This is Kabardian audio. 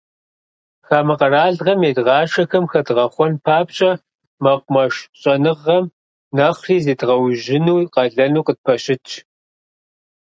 Хамэ къэралхэм едгъашэхэм хэдгъэхъуэн папщӏэ, мэкъумэш щӏэныгъэм нэхъри зедгъэужьыну къалэну къытпэщытщ.